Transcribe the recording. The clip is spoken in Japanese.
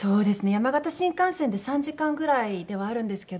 山形新幹線で３時間ぐらいではあるんですけど。